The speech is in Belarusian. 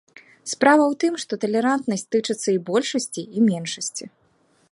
Справа ў тым, што талерантнасць тычыцца і большасці, і меншасці.